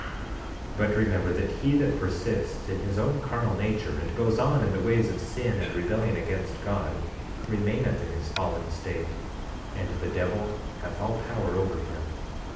16:5 But remember that he that persists in his own carnal nature, and goes on in the ways of sin and rebellion against God, remaineth in his fallen state and the devil hath all power over him.